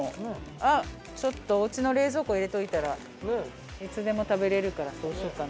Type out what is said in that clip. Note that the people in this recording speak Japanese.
あっちょっとお家の冷蔵庫入れておいたらいつでも食べれるからそうしようかな。